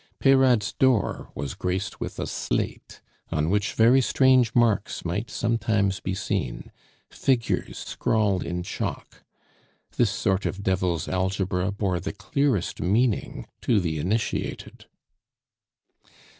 Peyrade's door was graced with a slate, on which very strange marks might sometimes be seen, figures scrawled in chalk. This sort of devil's algebra bore the clearest meaning to the initiated.